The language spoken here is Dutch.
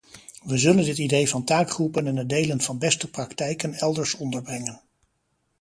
We zullen dit idee van taakgroepen en het delen van beste praktijken elders onderbrengen.